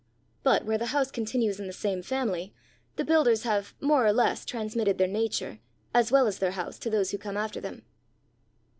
"But where the house continues in the same family, the builders have more or less transmitted their nature, as well as their house, to those who come after them."